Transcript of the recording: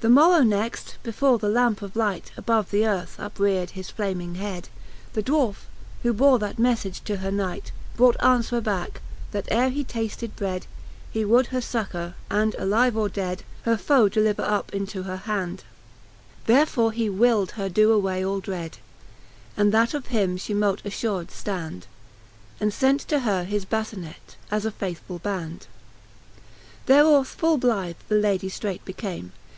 The morrow next, before the lampe of light. Above the earth upreard his flaming head, The Dwarfe, which bore thatmeifage to her knight, Brought aunfwere backe, that ere he tafted bread, He would her fuccour, and alive or dead Her foe deliver up into her hand: Therefore he wild her doe away all dread j And that of him Ihe mote afllired ftand, He fent to her his baienet, as a faithfull band. XXXII. ^Thereof fuU blyth the Lady ftreight became.